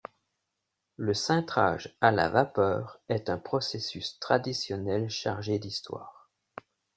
Le cintrage à la vapeur est un processus traditionnel chargé d'histoire.